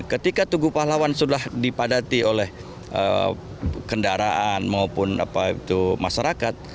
ketika tugu pahlawan sudah dipadati oleh kendaraan maupun masyarakat